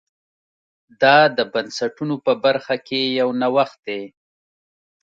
دا د بنسټونو په برخه کې یو نوښت دی